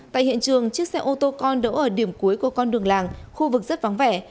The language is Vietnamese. tại hiện trường chiếc xe ô tô con đỗ ở điểm cuối của con đường làng khu vực rất vắng vẻ